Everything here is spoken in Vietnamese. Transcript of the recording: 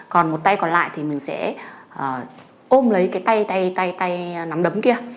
còn một tay còn lại thì mình sẽ ôm lấy cái tay tay tay tay nắm đấm kia